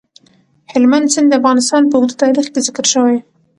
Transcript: هلمند سیند د افغانستان په اوږده تاریخ کې ذکر شوی.